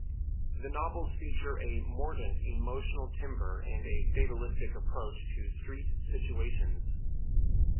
The novels feature a mordant emotional timbre and a fatalistic approach to street situations.